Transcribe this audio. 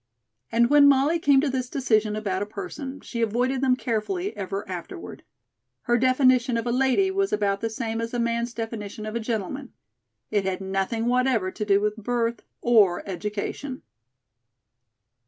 And when Molly came to this decision about a person, she avoided them carefully ever afterward. Her definition of a "lady" was about the same as a man's definition of a "gentleman." It had nothing whatever to do with birth or education.